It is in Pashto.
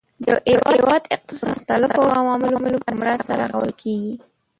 د یو هیواد اقتصاد د مختلفو عواملو په مرسته رغول کیږي.